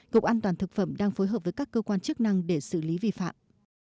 cục an toàn thực phẩm đang phối hợp với các cơ quan chức năng để xử lý vi phạm